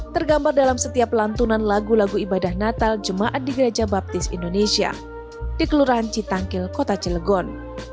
tergambar dalam setiap lantunan lagu lagu ibadah natal jemaat di gereja baptis indonesia di kelurahan citangkil kota cilegon